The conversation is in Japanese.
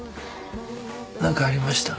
何かありました？